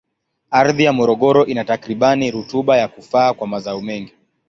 Ardhi ya Morogoro ina takribani rutuba ya kufaa kwa mazao mengi.